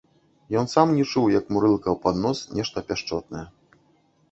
Ён сам не чуў, як мурлыкаў пад нос нешта пяшчотнае.